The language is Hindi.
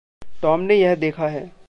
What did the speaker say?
टॉम ने यह देखा है।